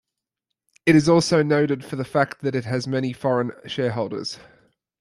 It is also noted for the fact that it has many foreign shareholders.